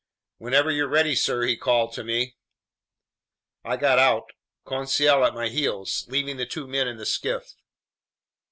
"Whenever you're ready, sir," he called to me. I got out, Conseil at my heels, leaving the two men in the skiff.